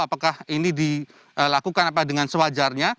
apakah ini dilakukan dengan sewajarnya